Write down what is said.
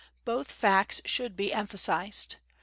Both facts should be emphasized.